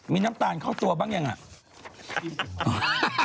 มีน้ำตาลเข้าตัวบ้างยังอ่ะ